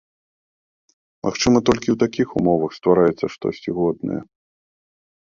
Магчыма, толькі ў такіх умовах ствараецца штосьці годнае?